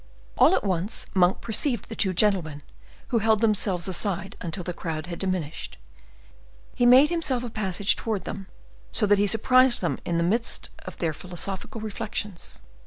All at once Monk perceived the two gentlemen, who held themselves aside until the crowd had diminished; he made himself a passage towards them, so that he surprised them in the midst of their philosophical reflections.